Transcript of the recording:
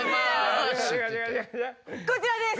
こちらです！